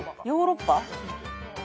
ヨーロッパ？